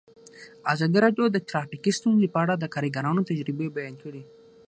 ازادي راډیو د ټرافیکي ستونزې په اړه د کارګرانو تجربې بیان کړي.